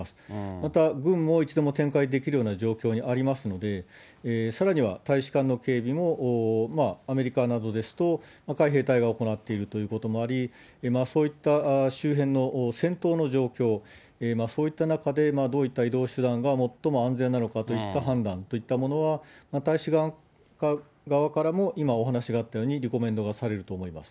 また軍もいつでも展開できるような状況にありますので、さらには大使館の警備もアメリカなどですと、海兵隊が行っているということもあり、そういった周辺の戦闘の状況、そういった中でどういった移動手段が最も安全なのかといった判断といったものは、大使館側からも今、お話があったように、リコメンドがされると思います。